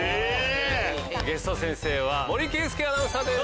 ゲスト先生は森圭介アナウンサーです。